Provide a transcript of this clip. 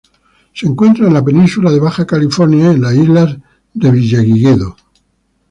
Se encuentra en la Península de Baja California y las Islas Revillagigedo.